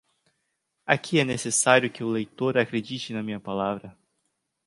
Aqui é necessário que o leitor acredite na minha palavra.